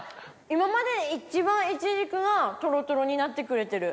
今までで一番イチジクがトロトロになってくれてる。